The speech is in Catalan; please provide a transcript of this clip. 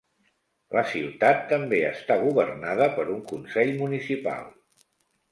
La ciutat també està governada per un consell municipal.